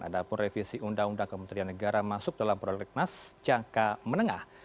ada pun revisi undang undang kementerian negara masuk dalam prolegnas jangka menengah